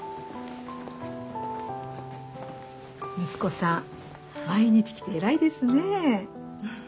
息子さん毎日来て偉いですね。